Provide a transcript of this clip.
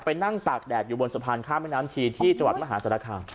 ไปนั่งตากแดดอยู่บนสะพานข้ามแม่น้ำทีที่จวัตรมหาสรคาม